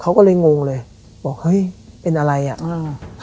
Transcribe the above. เขาก็เลยงงเลยบอกเฮ้ยเป็นอะไรอ่ะอืม